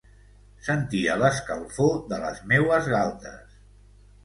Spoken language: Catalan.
Sentia l'escalfor de les meues galtes.